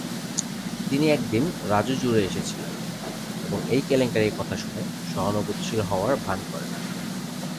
তিনি একদিন রাজু জুড়ে এসেছিলেন, এবং এই কেলেঙ্কারির কথা শুনে সহানুভূতিশীল হওয়ার ভান করে।